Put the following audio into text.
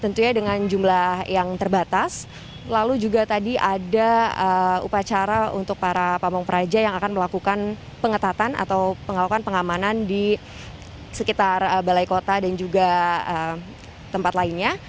tentunya dengan jumlah yang terbatas lalu juga tadi ada upacara untuk para pamung praja yang akan melakukan pengetatan atau pengawakan pengamanan di sekitar balai kota dan juga tempat lainnya